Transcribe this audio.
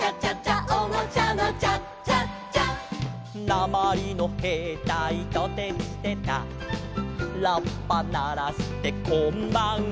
「なまりのへいたいトテチテタ」「ラッパならしてこんばんは」